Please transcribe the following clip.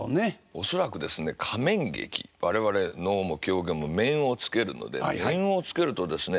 恐らくですね仮面劇我々能も狂言も面をつけるので面をつけるとですね